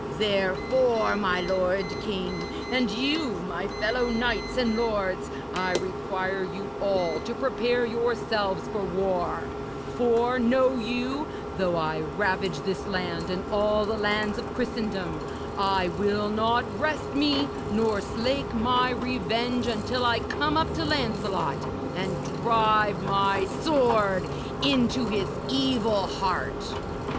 Therefore, my lord king, and you, my fellow knights and lords, I require you all to prepare yourselves for war; for, know you, though I ravage this land and all the lands of Christendom, I will not rest me nor slake my revenge until I come up to Lancelot and drive my sword into his evil heart.'